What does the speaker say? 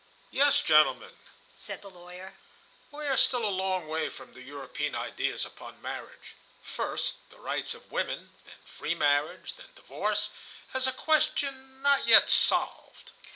"Yes, gentlemen," said the lawyer, "we are still a long way from the European ideas upon marriage. First, the rights of woman, then free marriage, then divorce, as a question not yet solved." ...